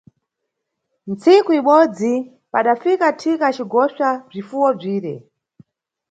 Ntsiku ibodzi, padafika thika acigosva bzifuwo bzire.